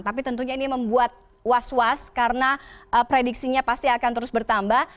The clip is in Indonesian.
tapi tentunya ini membuat was was karena prediksinya pasti akan terus bertambah